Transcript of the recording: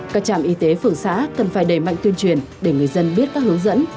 các trạm y tế phường xã cần phải đẩy mạnh tuyên truyền để người dân biết các hướng dẫn